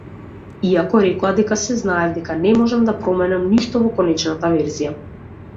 Иако рекоа дека се, знаев дека не можам да променам ништо во конечната верзија.